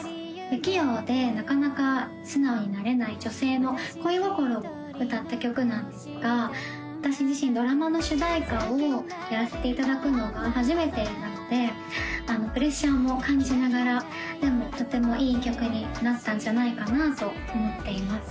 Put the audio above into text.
不器用でなかなか素直になれない女性の恋心を歌った曲なんですが私自身ドラマの主題歌をやらせていただくのが初めてなのでプレッシャーも感じながらでもとてもいい曲になったんじゃないかなと思っています